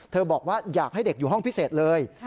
บอกว่าอยากให้เด็กอยู่ห้องพิเศษเลย